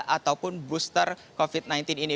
ataupun booster covid sembilan belas ini